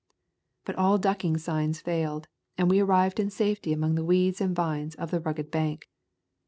But all ducking signs failed and we arrived in safety among the weeds and vines of the rugged bank.